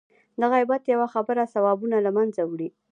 د غیبت یوه خبره ثوابونه له منځه وړي.